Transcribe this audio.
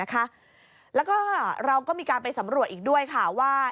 แล้วก็เราก็มีการไปสำรวจอีกด้วยค่ะว่า